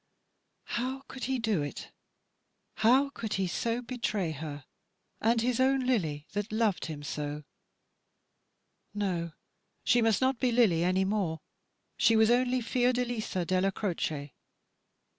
"How could he do it? How could he so betray her? And his own Lily that loved him so no, she must not be Lily any more, she was only Fiordalisa Della Croce.